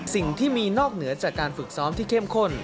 สิ่งที่มีนอกเหนือจากการฝึกซ้อมที่เข้มข้น